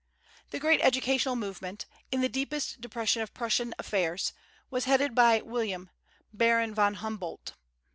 The great educational movement, in the deepest depression of Prussian affairs, was headed by William, Baron von Humboldt.